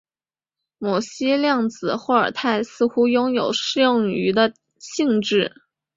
某些量子霍尔态似乎拥有适用于的性质。